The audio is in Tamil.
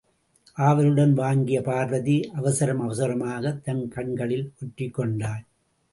ஆவலுடன் வாங்கிய பார்வதி, அவசரம் அவசரமாகத் தன் கண்களில் ஒற்றிக் கொண்டாள்.